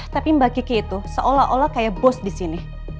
tapi mbak kiki itu seolah olah kayak bos disini